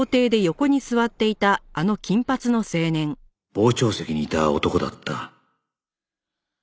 傍聴席にいた男だった